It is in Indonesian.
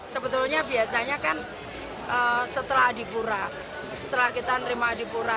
sebetulnya biasanya kan setelah adipura setelah kita nerima adipura